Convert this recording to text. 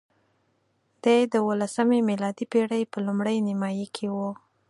دی د اوولسمې میلادي پېړۍ په لومړۍ نیمایي کې وو.